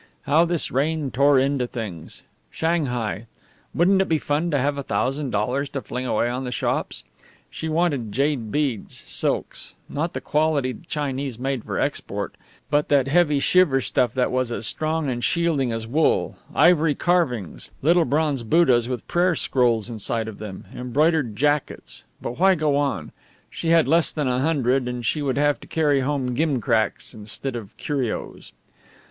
How this rain tore into things! Shanghai! Wouldn't it be fun to have a thousand dollars to fling away on the shops? She wanted jade beads, silks not the quality the Chinese made for export, but that heavy, shiver stuff that was as strong and shielding as wool ivory carvings, little bronze Buddhas with prayer scrolls inside of them, embroidered jackets. But why go on? She had less than a hundred, and she would have to carry home gimcracks instead of curios.